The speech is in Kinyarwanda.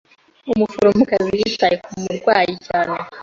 Umuforomokazi yitaye ku murwayi cyane.